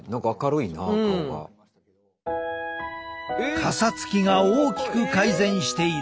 かさつきが大きく改善している。